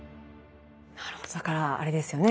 なるほどだからあれですよね。